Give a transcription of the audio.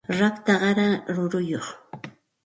rakta qara ruruyuq